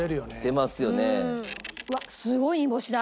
出ますよね。